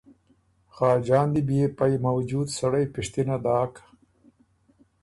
خاجان دی بيې پئ موجود سړئ پِشتِنه داک